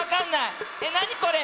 えっなにこれ。